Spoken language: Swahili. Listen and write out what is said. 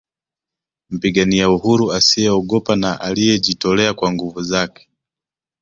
Mpigania uhuru asiyeogopa na aliyejitolea kwa nguvu zake